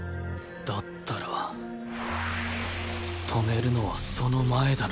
だったら止めるのはその前だな。